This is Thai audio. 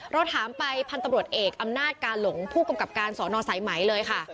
เราถามไปพันธุ์ตำรวจเอกอำนาจกาหลงผู้กำกับการสอนอสายไหมเลยค่ะ